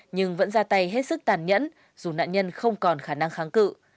nhưng vẫn ra tay hết sức tàn nhẫn dù nạn nhân không còn khả năng kháng cự